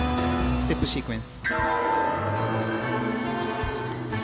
ステップシークエンス。